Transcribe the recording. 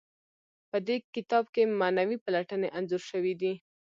په دې کتاب کې معنوي پلټنې انځور شوي دي.